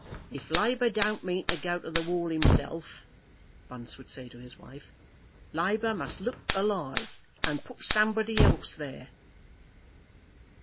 "If Labour don't mean to go to the wall himself," Bunce would say to his wife, "Labour must look alive, and put somebody else there."